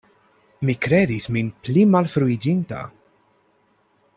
Mi kredis min pli malfruiĝinta.